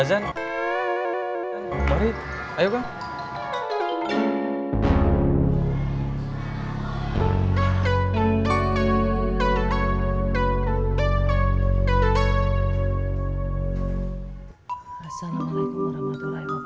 assalamualaikum warahmatullahi wabarakatuh